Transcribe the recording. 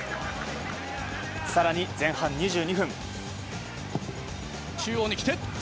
更に、前半２２分。